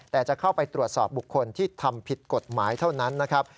แต่จะเข้าไปตรวจสอบบุคคลที่ทำผิดกฎหมายเท่านั้นนะครับ